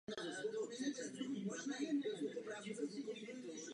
Vůz měl samonosnou karoserii s rozšířenými blatníky a velkým zadním křídlem.